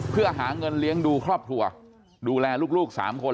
เพื่อหาเงินเลี้ยงดูครอบครัวดูแลลูก๓คน